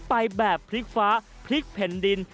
ไปแบบพริกฟ้าพริกเพ็ญดิน